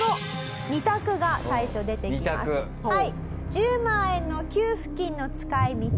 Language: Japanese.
１０万円の給付金の使い道。